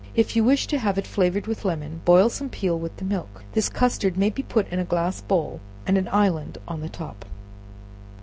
If you wish to have it flavored with lemon, boil some peel with the milk. This custard may be put in a glass bowl, and an island on the top.